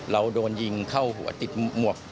เราโดนยิงเข้าหัวติดหมวก